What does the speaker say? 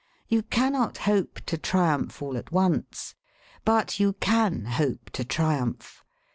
You cannot hope to triumph all at once. But you can hope to triumph.